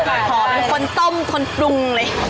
หอมเป็นคนต้มคนปรุงเลย